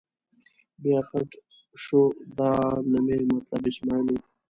بیا خټ شو، دا نه مې مطلب اسمعیل و.